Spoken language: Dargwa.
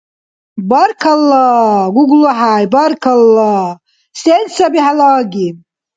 Баркалла, ГуглахӀяй, баркалла. Сен саби хӀела аги?